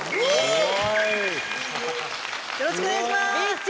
よろしくお願いします。